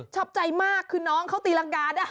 ชอบใจมากคือน้องเขาตีรังกา